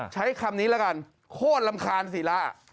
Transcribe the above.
ใช้คำนี้แล้วกันโคตรรำคาญศิละ